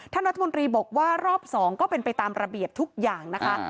ท่านรัฐมนตรีบอกว่ารอบ๒ก็เป็นไปตามระเบียบทุกอย่างนะคะ